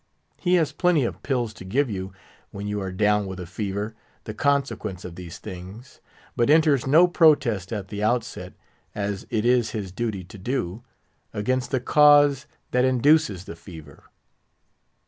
He has plenty of pills to give you when you are down with a fever, the consequence of these things; but enters no protest at the outset—as it is his duty to do—against the cause that induces the fever.